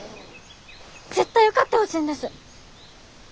絶対受かってほしいんです。